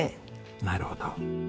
なるほど。